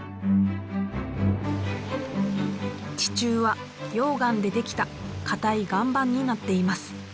地中は溶岩でできた固い岩盤になっています。